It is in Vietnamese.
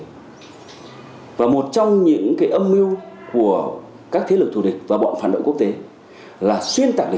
cảm ơn các bạn đã theo dõi